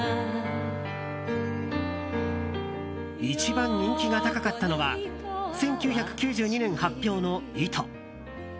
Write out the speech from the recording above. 一番人気が高かったのは１９９２年発表の「糸」。